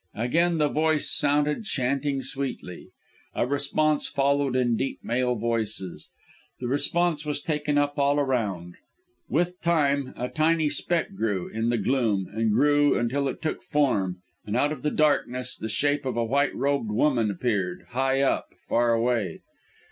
Again the voice sounded, chanting sweetly. A response followed in deep male voices. The response was taken up all around what time a tiny speck grew, in the gloom and grew, until it took form; and out of the darkness, the shape of a white robed woman appeared high up far away.